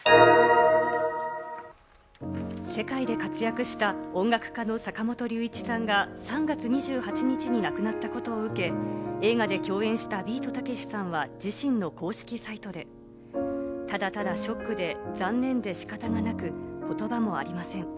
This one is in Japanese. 世界で活躍した音楽家の坂本龍一さんが３月２８日に亡くなったことを受け、映画で共演したビートたけしさんは自身の公式サイトで、ただただショックで、残念で仕方がなく言葉もありません。